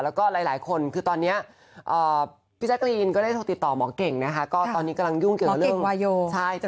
ว่าจะตามคำตอบของคุณแค่ไหนมาเนาะยิ่งว่ารักหวังแล้วนะคะ